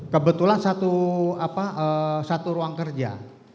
kebetulan satu ruang kerja